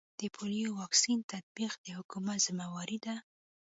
د پولیو واکسین تطبیق د حکومت ذمه واري ده